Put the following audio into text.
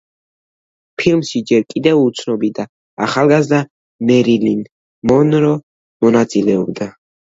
ფილმში ჯერ კიდევ უცნობი და ახალგაზრდა მერილინ მონრო მონაწილეობდა.